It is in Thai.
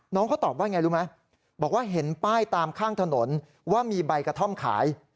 น้องเขาตอบว่าไงรู้ไหมบอกว่าเห็นป้ายตามข้างถนนว่ามีใบกระท่อมขาย